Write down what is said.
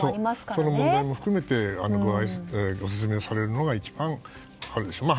その問題も含めてご説明されるのが一番いいでしょう。